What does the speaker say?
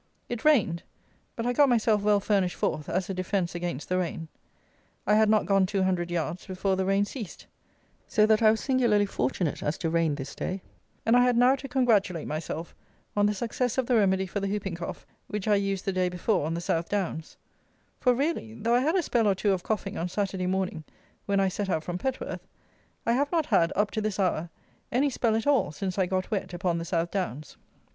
It rained, but I got myself well furnished forth as a defence against the rain. I had not gone two hundred yards before the rain ceased; so that I was singularly fortunate as to rain this day; and I had now to congratulate myself on the success of the remedy for the hooping cough which I used the day before on the South Downs; for really, though I had a spell or two of coughing on Saturday morning when I set out from Petworth, I have not had, up to this hour, any spell at all since I got wet upon the South Downs.